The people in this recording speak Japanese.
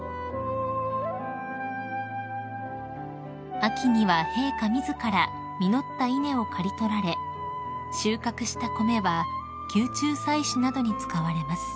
［秋には陛下自ら実った稲を刈り取られ収穫した米は宮中祭祀などに使われます］